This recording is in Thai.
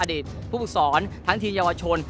อดีตผู้สอนทั้งทีมเยาวชน